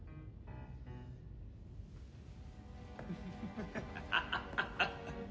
フフフハハハハッ！